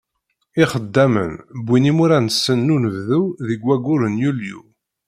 Ixeddamen wwin imuras-nsen n unebdu deg waggur n Yulyu.